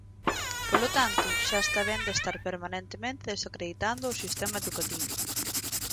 Polo tanto, xa está ben de estar permanentemente desacreditando o sistema educativo.